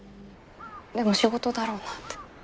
でも仕事だろうなって。